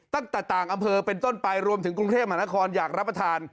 ตั้งอำเภอเป็นต้นปลายรวมถึงกรุงเทพฯหนะครอยากรับประทาน